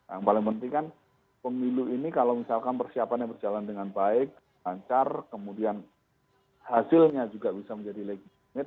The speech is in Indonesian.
yang paling penting kan pemilu ini kalau misalkan persiapannya berjalan dengan baik lancar kemudian hasilnya juga bisa menjadi legitimit